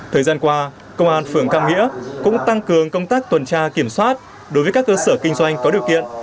thời gian qua công an phường cam hĩa cũng tăng cường công tác tuần tra kiểm soát đối với các cơ sở kinh doanh có điều kiện